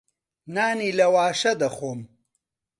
نانی لەواشە دەخۆم.